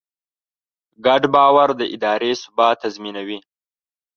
ګډ باور د ادارې ثبات تضمینوي.